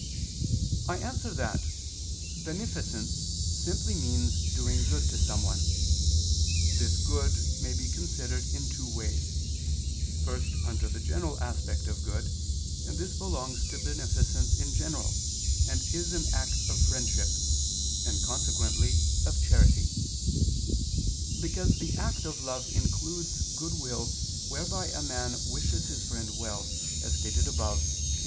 I answer that, Beneficence simply means doing good to someone. This good may be considered in two ways, first under the general aspect of good, and this belongs to beneficence in general, and is an act of friendship, and, consequently, of charity: because the act of love includes goodwill whereby a man wishes his friend well, as stated above (Q.